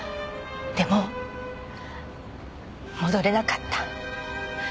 でも戻れなかった。